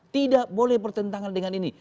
tidak boleh bertentangan dengan ini